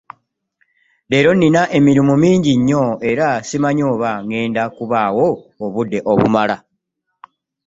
Leero nnina eririmu mingi nnyo era ssimanyi oba ngenda kubawa obudde obumala.